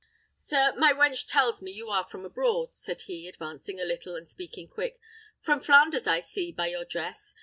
"Sir, my wench tells me you are from abroad," said he, advancing a little, and speaking quick. "From Flanders, I see, by your dress.